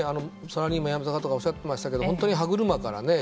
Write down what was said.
サラリーマン辞めた方がおっしゃってましたけど本当に歯車からね